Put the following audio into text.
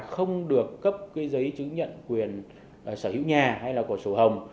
không được cấp cái giấy chứng nhận quyền sở hữu nhà hay là của sổ hồng